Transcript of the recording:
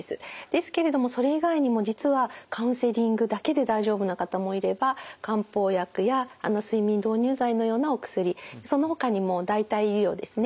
ですけれどもそれ以外にも実はカウンセリングだけで大丈夫な方もいれば漢方薬や睡眠導入剤のようなお薬そのほかにも代替医療ですね